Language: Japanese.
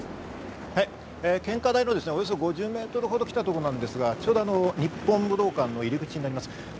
献花台のおよそ５０メートルほど来たところなんですが、日本武道館の入口になります。